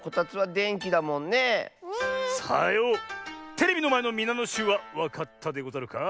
テレビのまえのみなのしゅうはわかったでござるか？